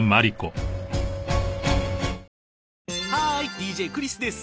ＤＪクリスです。